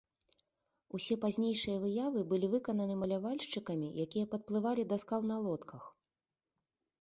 Усе пазнейшыя выявы былі выкананы малявальшчыкамі, якія падплывалі да скал на лодках.